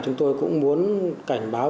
chúng tôi cũng muốn cảnh báo